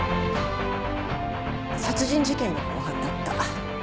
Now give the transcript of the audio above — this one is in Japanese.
殺人事件の公判だった。